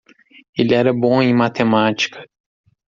Ele era bom em matemática.